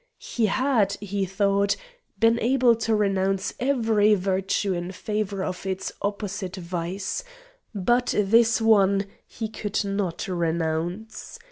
He had, he thought, been able to renounce every virtue in favour of its opposite vice but this one he could not renounce.